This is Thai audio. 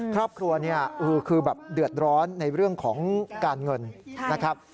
ครอบครัวเนี่ยคือแบบเดือดร้อนในเรื่องของการเงินนะครับ